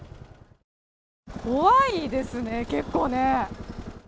怖いですね、結構ね。